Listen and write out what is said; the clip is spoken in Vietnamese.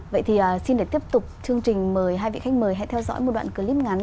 vậy thì xin để tiếp tục chương trình mời hai vị khách mời hãy theo dõi một đoạn clip ngắn